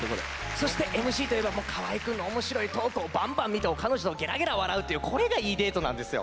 そしてＭＣといえばもう河合くんの面白いトークをバンバン見て彼女とゲラゲラ笑うっていうこれがいいデートなんですよ。